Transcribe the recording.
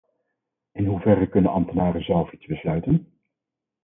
In hoeverre kunnen ambtenaren zelf iets besluiten?